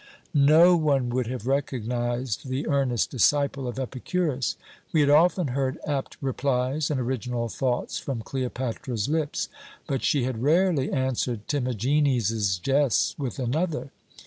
"No one would have recognized the earnest disciple of Epicurus. We had often heard apt replies and original thoughts from Cleopatra's lips, but she had rarely answered Timagenes's jests with another.